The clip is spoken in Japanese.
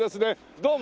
どうも。